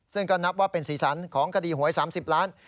ซึ่งก็นับว่าเป็นศีลสรรคองกระดีหวย๓๐ล้าน